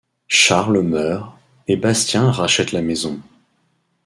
Charles meurt, et Bastien rachète la maison.